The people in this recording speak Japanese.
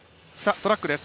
トラックです。